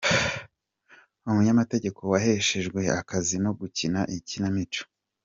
Umunyamategeko waheshejwe akazi no gukina ikinamico.